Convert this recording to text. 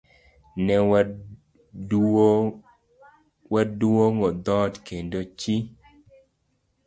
Ne waduong'o dhoot kendo chi